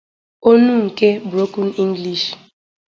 Onu nke "broken english".